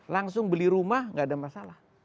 langsung beli rumah nggak ada masalah